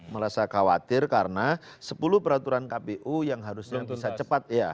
merasa khawatir karena sepuluh peraturan kpu yang harusnya bisa cepat